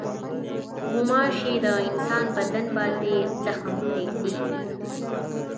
غوماشې د انسان بدن باندې زخم پرېږدي.